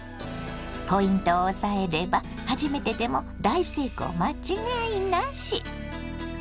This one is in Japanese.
ポイントを押さえれば初めてでも大成功間違いなし。